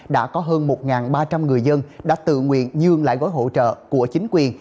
đã có hơn một ba trăm linh người dân đã tự nguyện nhường lại gói hỗ trợ của chính quyền